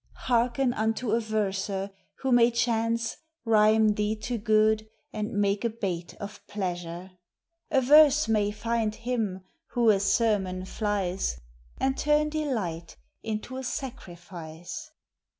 Hearken unto a Verser, who may chance Rhyme thee to good, and make a bait of pleasure: A verse may find him who a sermon flies And turn delight into a sacrifice.